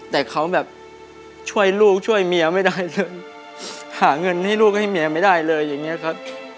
แต่เขาแบบช่วยลูกช่วยเมียไม่ได้เลยหาเงินให้ลูกให้เมียไม่ได้เลยอย่างนี้ครับ